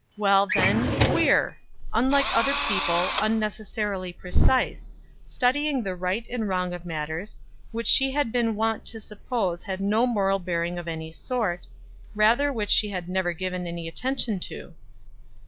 Well, then, queer! unlike other people, unnecessarily precise studying the right and wrong of matters, which she had been wont to suppose had no moral bearing of any sort, rather which she had never given any attention to?